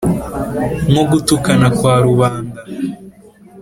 nko gutukana kwa rubanda